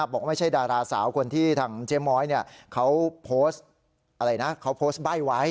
บอกว่าไม่ใช่ดาราสาวคนที่ทางเจมส์ม้อยเขาโพสต์ใบ้ไว้